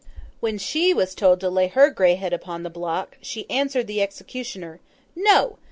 When she was told to lay her grey head upon the block, she answered the executioner, 'No!